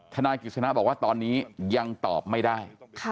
ทนายกิสณะอย่างตอบไม่ได้